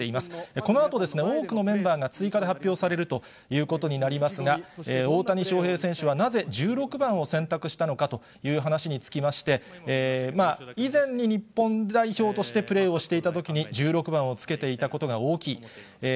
このあと、多くのメンバーが追加で発表されるということになりますが、大谷翔平選手はなぜ１６番を選択したのかという話につきまして、以前に日本代表としてプレーをしていたときに、１６番をつけていたことが大きい。